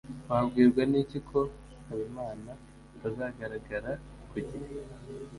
wabwirwa n'iki ko habimana atazagaragara ku gihe